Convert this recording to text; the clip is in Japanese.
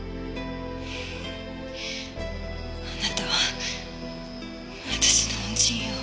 あなたは私の恩人よ。